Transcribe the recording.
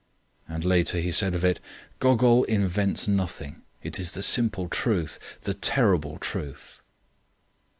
And later he said of it: "Gogol invents nothing; it is the simple truth, the terrible truth."